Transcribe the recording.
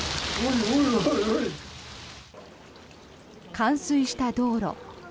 冠水した道路。